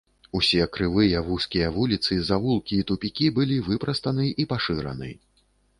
Усе крывыя, вузкія вуліцы, завулкі і тупікі былі выпрастаны і пашыраны.